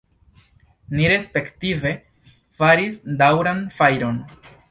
Ni respektive faris daŭran fajron.